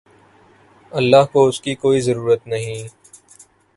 اللہ کو اس کی کوئی ضرورت نہیں